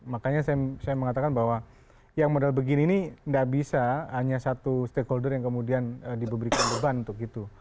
makanya saya mengatakan bahwa yang model begini ini tidak bisa hanya satu stakeholder yang kemudian diberikan beban untuk itu